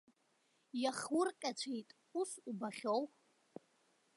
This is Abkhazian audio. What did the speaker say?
Иахурҟьацәеит, ус убахьоу.